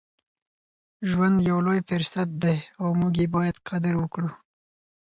ژوند یو لوی فرصت دی او موږ یې باید قدر وکړو.